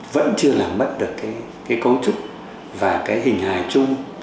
vẫn chưa làm mất được cái cấu trúc và cái hình hài chung